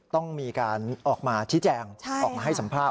ต้องมีการออกมาชี้แจงออกมาให้สัมภาษ